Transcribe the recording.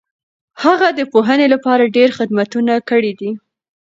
هغه د پوهنې لپاره ډېر خدمتونه کړي دي.